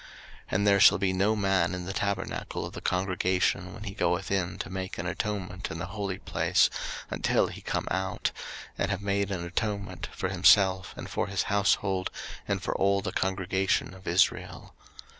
03:016:017 And there shall be no man in the tabernacle of the congregation when he goeth in to make an atonement in the holy place, until he come out, and have made an atonement for himself, and for his household, and for all the congregation of Israel.